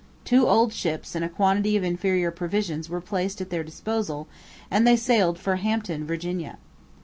Two old ships and a quantity of inferior provisions were placed at their disposal, and they sailed for Hampton, Virginia.